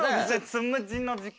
つむじの時間。